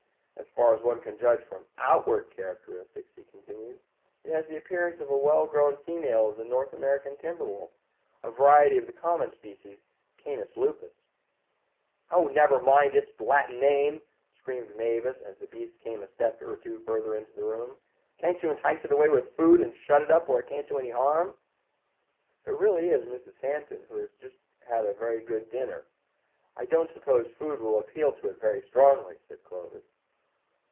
As far as one can judge from outward characteristics," he continued, "it has the appearance of a well grown female of the North American timber wolf, a variety of the common species canis lupus." "Oh, never mind its Latin name," screamed Mavis, as the beast came a step or two further into the room; "can't you entice it away with food, and shut it up where it can't do any harm?" "If it is really Mrs. Hampton, who has just had a very good dinner, I don't suppose food will appeal to it very strongly," said Clovis.